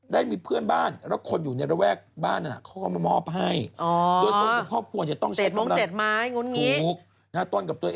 ได้มีเพื่อนบ้านแล้วคนอยู่ในระวั